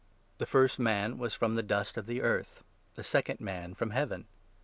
329 the first man was from the dust of the earth ; the second man 47 from Heaven.